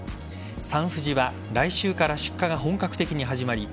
サンふじは来週から出荷が本格的に始まり